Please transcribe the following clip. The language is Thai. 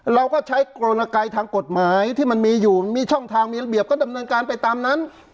เราก็ใช้กรณกายทางกฎหมายที่มันมีอยู่มีช่องทางมีระเบียบก็ดำเนินการไปตามนั้น